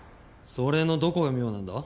それのどこが妙なんだ？